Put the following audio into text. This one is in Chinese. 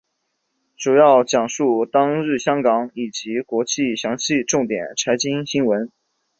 主要讲述当日香港以及国际详细重点财经新闻。